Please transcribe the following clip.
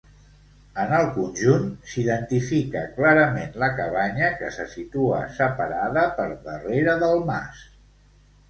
En el conjunt s'identifica clarament la cabanya, que se situa separada per darrere del mas.